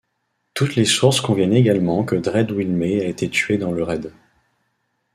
Toutes les sources conviennent également que Dread Wilmé a été tué dans le raid.